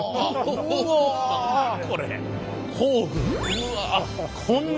うわこんな。